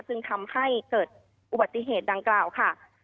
ซึ่งทำให้เกิดอุบัติเหตุดังกล่าวค่ะ